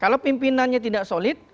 kalau pimpinannya tidak solid